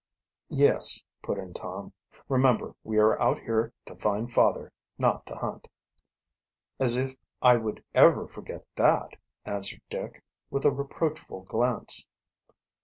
"Yes," put in Tom. "Remember we are out here to find father, not to hunt." "As if I would ever forget that," answered Dick, with a reproachful glance.